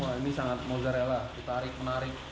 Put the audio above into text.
wah ini sangat mozzarella ditarik menarik